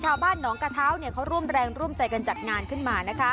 ชาวบ้านหนองกระเท้าเขาร่วมแรงร่วมใจกันจัดงานขึ้นมา